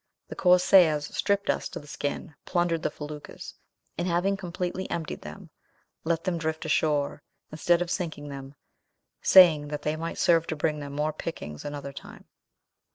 The corsairs stripped us to the skin, plundered the feluccas, and having completely emptied them, let them drift ashore, instead of sinking them, saying that they might serve to bring them more pickings another time.